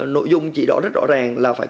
nội dung chỉ đỏ rất rõ ràng là phải